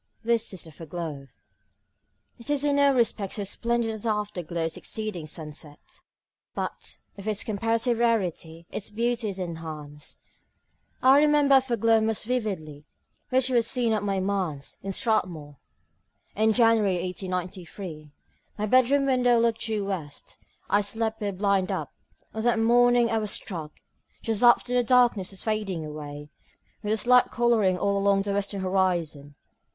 This is the foreglow. It is in no respect so splendid as the afterglow succeeding sunset; but, because of its comparative rarity, its beauty is enhanced. I remember a foreglow most vividly which was seen at my manse, in Strathmore, in January 1893. My bedroom window looked due west; I slept with the blind up. On that morning I was struck, just after the darkness was fading away, with a slight colouring all along the western horizon.